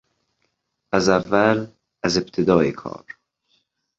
از اول، از ابتدای کار